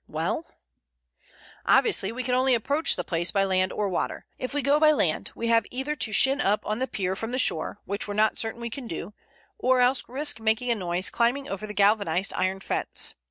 "Well?" "Obviously we can only approach the place by land or water. If we go by land we have either to shin up on the pier from the shore, which we're not certain we can do, or else risk making a noise climbing over the galvanized iron fence.